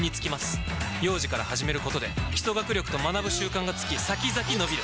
幼児から始めることで基礎学力と学ぶ習慣がつき先々のびる！